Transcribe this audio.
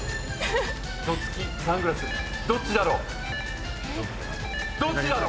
度付きサングラスどっちだろ？